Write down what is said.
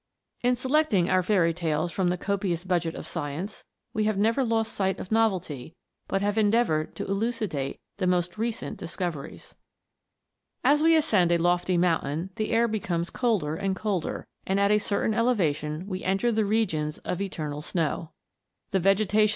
In selecting our faiiy tales from the copious budget of science, we have never lost sight of novelty, but have endeavoured to elucidate the most recent discoveries. As we ascend a lofty mountain the air becomes colder and colder, and at a certain elevation we enter the regions of eternal snow. The vegetation 244 MOVING LANDS.